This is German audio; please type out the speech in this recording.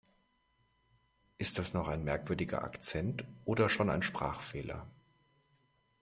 Ist das noch ein merkwürdiger Akzent oder schon ein Sprachfehler?